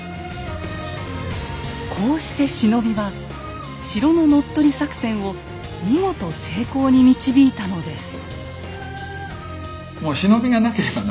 こうして忍びは城の乗っ取り作戦を見事成功に導いたのです。